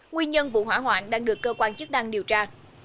nguyên nhân vụ hỏa hoạn đang được cơ quan chức năng điều tra